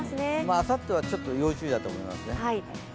あさってはちょっと要注意だと思いますね。